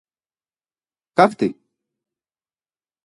Как так?